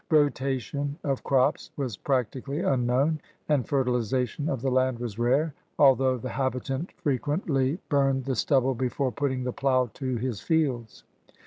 Rotation of crops was practically unknown, and fertilization of the land was rare, although the habitant frequently AGRICULTURE, INDUSTRY, AND TRADE 186 burned the stubble before putting the plough to his fields.